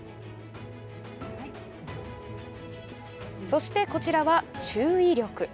そしてこちらは、注意力。